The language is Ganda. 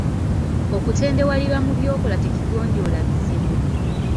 Okutendewalirwa mu by'okola tekigonjoola bizibu.